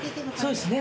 そうですね。